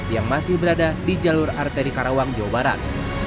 yang masih berada di jalur arteri karawang jawa barat